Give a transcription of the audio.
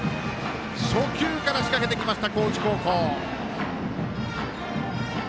初球から仕掛けてきました高知高校。